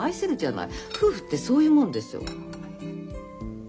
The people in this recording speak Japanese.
夫婦ってそういうもんでしょ。